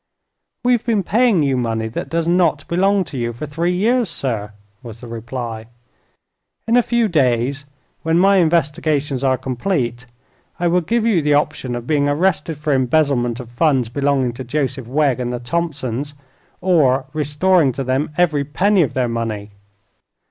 "We've been paying you money that does not belong to you for three years, sir," was the reply. "In a few days, when my investigations are complete, I will give you the option of being arrested for embezzlement of funds belonging to Joseph Wegg and the Thompsons, or restoring to them every penny of their money."